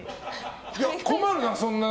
困るな、そんな。